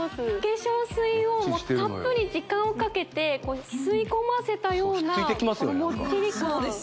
化粧水をもうたっぷり時間をかけて吸い込ませたようなもっちり感ひっついてきますよね